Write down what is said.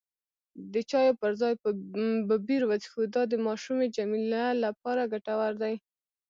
د چایو پر ځای به بیر وڅښو، دا د ماشومې جميله لپاره ګټور دی.